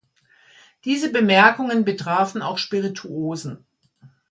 Diese Bemerkungen betrafen auch Spirituosen.